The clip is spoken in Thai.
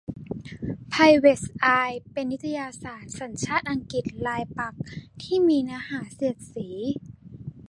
ไพรเวท อายส์ เป็นนิตยสารสัญชาติอังกฤษรายปักษ์ที่มีเนื้อหาเสียดสี